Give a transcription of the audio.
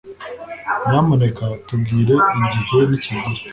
Nyamuneka tubwire igihe nikigera